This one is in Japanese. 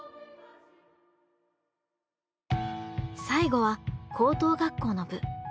最後は高等学校の部。